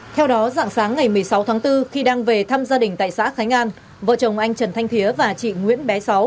theo đó dạng sáng ngày một mươi sáu tháng bốn khi đang về thăm gia đình tại xã khánh an vợ chồng anh trần thanh thía và chị nguyễn bé sáu